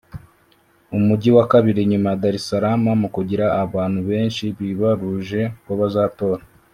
umujyi wa kabiri nyuma ya Dar es Salaam mu kugira abantu benshi bibaruje ko bazatora